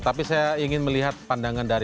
tapi saya ingin melihat pandangan dari bang rek